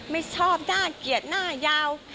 ไม่ชอบหน้าเกลียดหน้ายาว